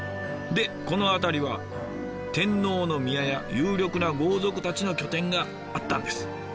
でこの辺りは天皇の宮や有力な豪族たちの拠点があったんです。